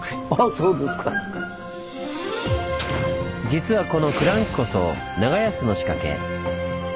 実はこのクランクこそ長安の仕掛け。